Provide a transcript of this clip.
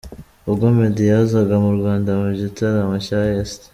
Ubwo Meddy yazaga mu Rwanda mu gitaramo cya East